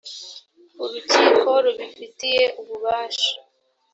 urukiko rubifitiye ububasha